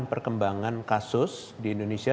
perkembangan kasus di indonesia